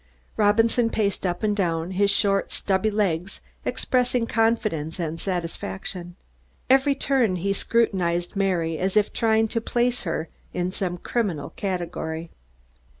Robinson paced up and down, his short stubby legs expressing confidence and satisfaction. Every turn, he scrutinized Mary, as if trying to place her in some criminal category.